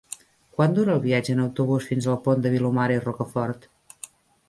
Quant dura el viatge en autobús fins al Pont de Vilomara i Rocafort?